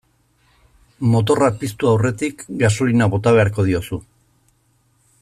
Motorra piztu aurretik gasolina bota beharko diozu.